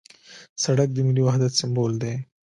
سړک د ملي وحدت سمبول دی.